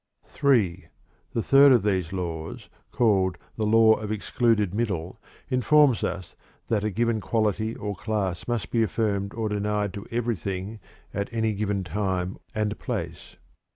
III. The third of these laws, called "The Law of Excluded Middle," informs us that a given quality or class must be affirmed or denied to everything at any given time and place.